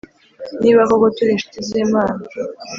Niba koko turi inshuti z imana